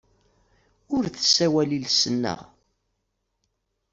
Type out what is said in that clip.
Ur tessawal iles-nneɣ.